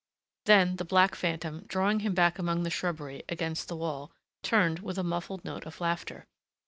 Then the black phantom, drawing him back among the shrubbery, against the wall, turned with a muffled note of laughter.